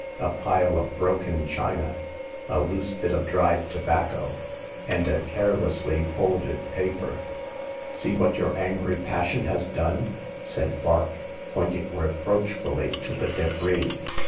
A pile of broken china, a loose bit of dried tobacco, and a carelessly folded paper. See what your angry passion has done I " said Vark, pointing reproachfully to the debris.